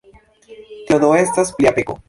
Tio do estas lia peko.